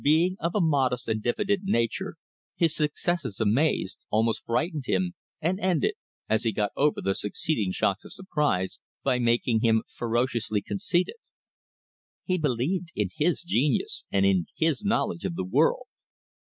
Being of a modest and diffident nature, his successes amazed, almost frightened him, and ended as he got over the succeeding shocks of surprise by making him ferociously conceited. He believed in his genius and in his knowledge of the world.